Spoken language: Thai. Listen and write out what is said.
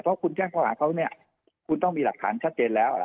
เพราะคุณแจ้งข้อหาเขาเนี่ยคุณต้องมีหลักฐานชัดเจนแล้ว